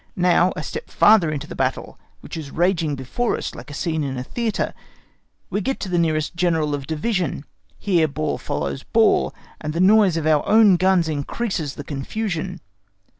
Now, a step farther into the battle which is raging before us like a scene in a theatre, we get to the nearest General of Division; here ball follows ball, and the noise of our own guns increases the confusion.